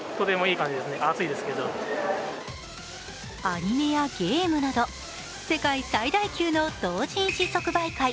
アニメやゲームなど世界最大級の同人誌即売会